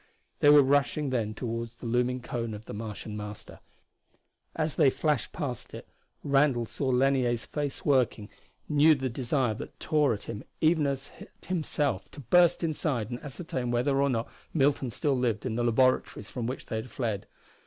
They were rushing then toward the looming cone of the Martian Master. As they flashed past it Randall saw Lanier's face working, knew the desire that tore at him even as at himself to burst inside and ascertain whether or not Milton still lived in the laboratories from which they had fled.